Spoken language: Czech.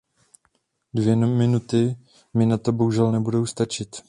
Dvě minuty mi na to bohužel nebudou stačit.